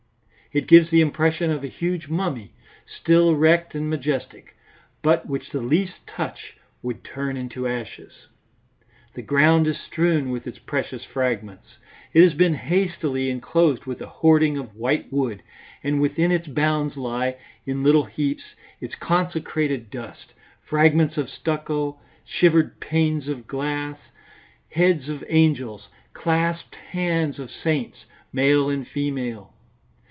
It gives the impression of a huge mummy, still erect and majestic, but which the least touch would turn into ashes. The ground is strewn with its precious fragments. It has been hastily enclosed with a hoarding of white wood, and within its bounds lies, in little heaps, its consecrated dust, fragments of stucco, shivered panes of glass, heads of angels, clasped hands of saints, male and female.